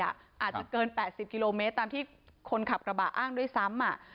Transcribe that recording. อาจจะเกิน๘๐กิโลเมตรตามที่คนขับกระบะอ้างด้วยซ้ำ